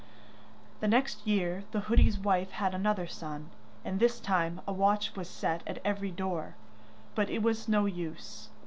The next year the hoodie's wife had another son, and this time a watch was set at every door. But it was no use.